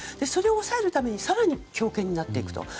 それを抑えるために更に強権になっていくと。